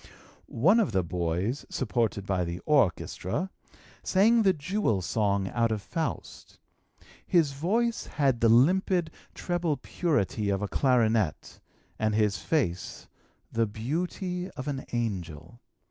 One of the boys, supported by the orchestra, sang the 'Jewel Song' out of 'Faust.' His voice had the limpid, treble purity of a clarinet, and his face the beauty of an angel.